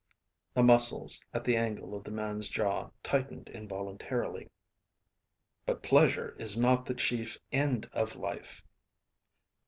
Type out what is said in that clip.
The muscles at the angle of the man's jaw tightened involuntarily. "But pleasure is not the chief end of life."